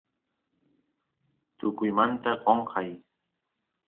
tukuymamnta qonqay